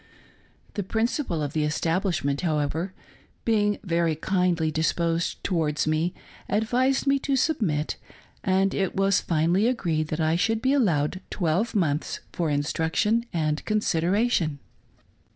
The principal of the establishment, however, being very kindly disposed towards me, advised me to submit, and it was finally agreed that I should be allowed twelve months for instruction and consideration.